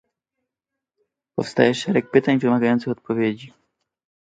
Powstaje szereg pytań wymagających odpowiedzi